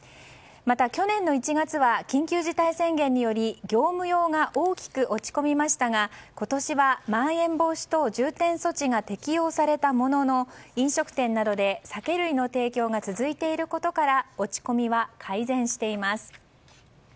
また、去年１月は緊急事態宣言により業務用が大きく落ち込みましたが今年は、まん延防止等重点措置が適用されたものの飲食店などで酒類の提供が続いていることから落ち込みは改善しています。